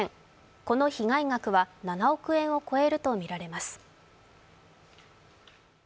この被害額は７億円を超えるとみられます。